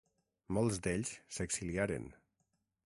Molts d'ells s'exiliaren.